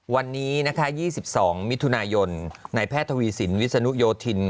วันนี้นะคะ๒๒มิถุนายนในแพทย์ทวีสินวิศนุโยธิน